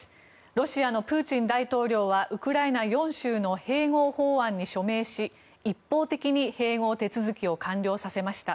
ロシアのプーチン大統領はウクライナ４州の併合法案に署名し一方的に併合手続きを完了させました。